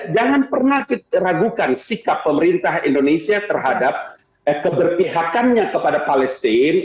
jangan pernah kita ragukan sikap pemerintah indonesia terhadap keberpihakannya kepada palestine